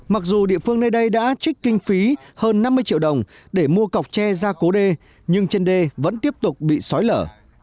mặc dù địa phương nơi đây đã trích kinh phí hơn năm mươi triệu đồng để mua cọc tre ra cố đê nhưng trên đê vẫn tiếp tục bị sói lở